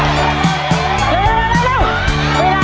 นี่อร่อย